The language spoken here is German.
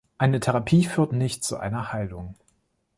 Eine Therapie führt nicht zu einer Heilung.